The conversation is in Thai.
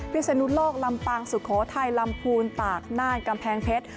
ศนุโลกลำปางสุโขทัยลำพูนตากน่านกำแพงเพชร